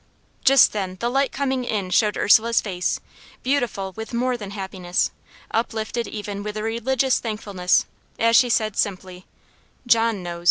Just then the light coming in showed Ursula's face, beautiful with more than happiness, uplifted even with a religious thankfulness, as she said simply: "John knows."